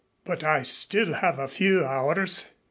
But I still have a few hours.